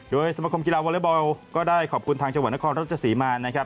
โดยสมัครกีฬาวอลเลอร์บอลก็ได้ขอบคุณทางจังหวัดนครราชสีมา